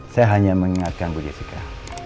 saya hanya mengingatkan bu jessica